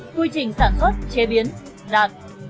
quy trình sản xuất chế biến đạt